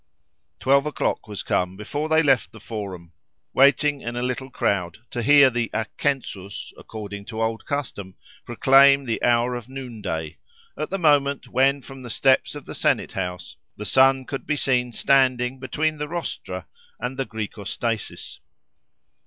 Twelve o'clock was come before they left the Forum, waiting in a little crowd to hear the Accensus, according to old custom, proclaim the hour of noonday, at the moment when, from the steps of the Senate house, the sun could be seen standing between the Rostra and the Græcostasis.